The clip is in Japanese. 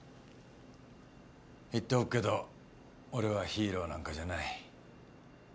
言っておくけど俺はヒーローなんかじゃない。